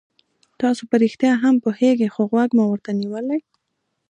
تاسو په رښتیا هم پوهېږئ خو غوږ مو ورته نیولی.